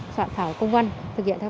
soạn thảo công văn thực hiện theo